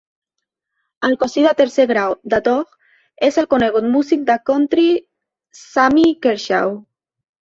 El cosí de tercer grau de Doug és el conegut músic de country Sammy Kershaw.